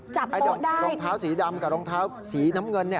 จับโปะได้รองเท้าสีดำกับรองเท้าสีน้ำเงิน